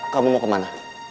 kamu mau kemana